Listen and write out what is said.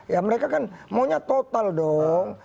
ya mereka kan maunya total dong